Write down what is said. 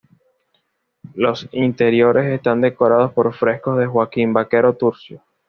Los interiores están decorados por frescos de Joaquín Vaquero Turcios.